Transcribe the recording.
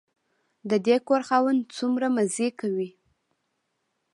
د دې کور خاوند څومره مزې کوي.